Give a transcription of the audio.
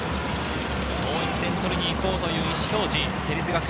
もう１点取りに行こうという意思表示、成立学園。